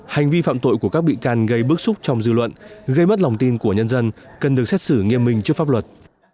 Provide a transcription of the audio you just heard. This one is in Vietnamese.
hành vi phạm tội của các bị can gây bức xúc trong dư luận gây mất lòng tin của nhân dân cần được xét xử nghiêm minh trước pháp luật